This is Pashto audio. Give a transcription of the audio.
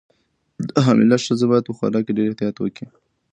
حامله ښځې باید په خوراک کې ډېر احتیاط وکړي.